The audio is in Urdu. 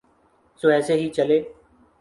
سو ایسے ہی چلے۔